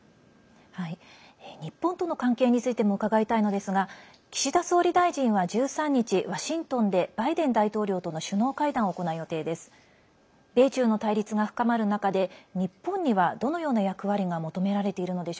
日本との関係についても伺いたいのですが岸田総理大臣は１３日、ワシントンでバイデン大統領との首脳会談を行う予定です。